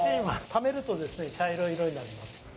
ためると茶色になります。